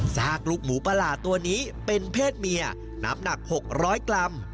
ซากลูกหมูประหลาดตัวนี้เป็นเพศเมียน้ำหนัก๖๐๐กรัม